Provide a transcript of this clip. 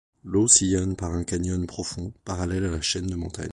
L'eau sillonne par un canyon profond, parallèle à la chaîne de montagnes.